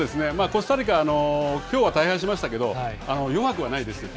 コスタリカ、きょうは大敗しましたけど、弱くはないですよ。